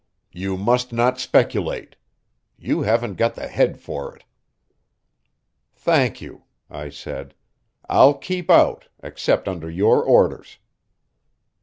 "You must not speculate. You haven't got the head for it." "Thank you," I said. "I'll keep out, except under your orders."